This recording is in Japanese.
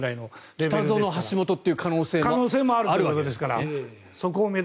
北園、橋本というそういう可能性もあるわけですから。